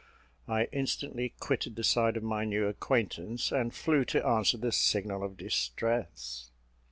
I instantly quitted the side of my new acquaintance, and flew to answer the signal of distress.